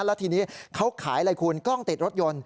แล้วทีนี้เขาขายอะไรคุณกล้องติดรถยนต์